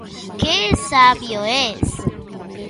Que sabio es.